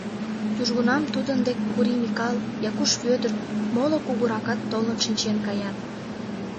Южгунам тудын дек Кури Микал, Якуш Вӧдыр, моло «кугуракат» толын шинчен каят.